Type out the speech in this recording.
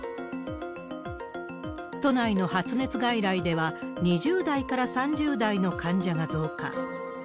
都内の発熱外来では、２０代から３０代の患者が増加。